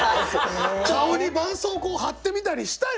顔にばんそうこう貼ってみたりしたよ！